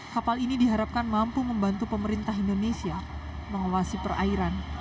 kapal ini diharapkan mampu membantu pemerintah indonesia mengawasi perairan